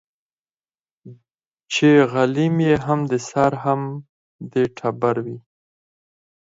چي غلیم یې هم د سر هم د ټبر وي